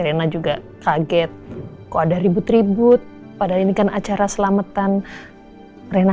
rina juga kaget kok ada ribut ribut pada ini kan acara selamatan rina